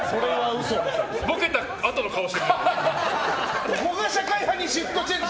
ボケたあとの顔してる。